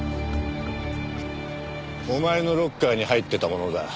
お前のロッカーに入ってたものだ。